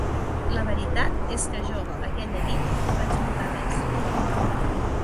La veritat és que jo aquella nit no vaig notar res.